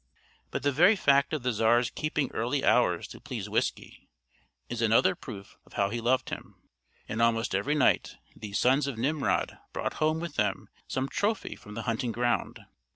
But the very fact of the Czar's keeping early hours to please Whiskey, is another proof of how he loved him. And almost every night, these sons of Nimrod brought home with them some trophy from the hunting ground.